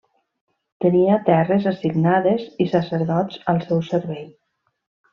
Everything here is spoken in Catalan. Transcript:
Tenia terres assignades i sacerdots al seu servei.